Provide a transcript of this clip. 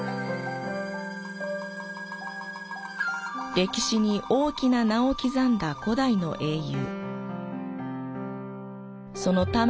歴史に大きな名を刻んだ古代の英雄。